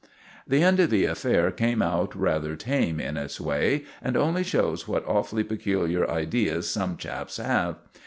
The end of the affair came out rather tame in its way, and only shows what awfully peculiar ideas some chaps have.